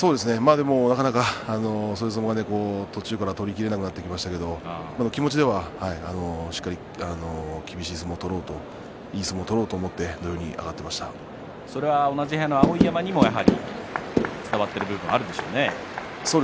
でも、なかなかそういう相撲が途中から取れなくなってきましたけれども気持ちでは、しっかりと厳しい相撲を取ろうといい相撲を取ろうと思ってそれは同じ部屋の碧山にも伝わっている部分があるでしょうね。